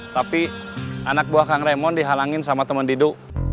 tapi anak buah kang remon dihalangin sama teman didu